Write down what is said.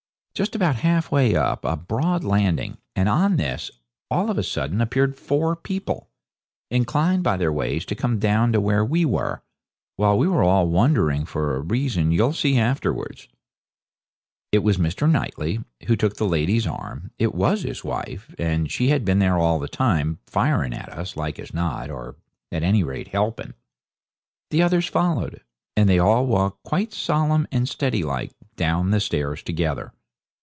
Just about half way up was a broad landing, and on this, all of a sudden, appeared four people, inclined by their ways to come down to where we were, while we were all wondering, for a reason you'll see afterwards. It was Mr. Knightley who took the lady's arm it was his wife, and she had been there all the time, firing at us as like as not, or at any rate helping. The others followed, and they all walked quite solemn and steady like down the stairs together.